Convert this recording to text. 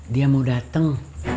dia mau dateng